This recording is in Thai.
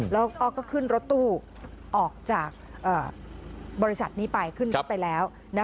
แล้วก็ขึ้นรถตู้ออกจากบริษัทนี้ไปขึ้นรถไปแล้ว